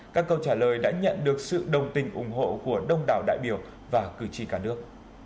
các câu trả lời đã nhận được sự đồng tình ủng hộ của đông đảo đại biểu và cử tri cả nước